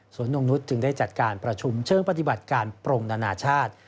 ส่วนนงนุษย์จึงได้จัดการประชุมเชิงปฏิบัติการปรงนานาชาติ